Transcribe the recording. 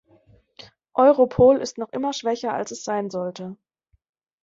Europol ist noch immer schwächer als es sein sollte.